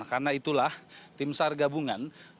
karena itulah tim sar gabungan